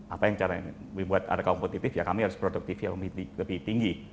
apa yang cara membuat harga kompetitif ya kami harus produktif lebih tinggi